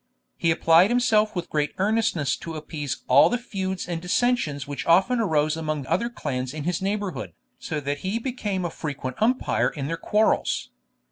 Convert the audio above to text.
He applied himself with great earnestness to appease all the feuds and dissensions which often arose among other clans in his neighbourhood, so that he became a frequent umpire in their quarrels.